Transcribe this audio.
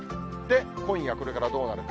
今夜、これからどうなるか。